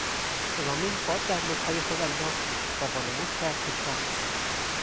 رامین باد در لپهای خود انداخت و وانمود کرد که چاق است.